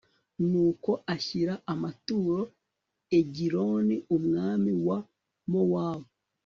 nuko ashyira amaturo egiloni, umwami wa mowabu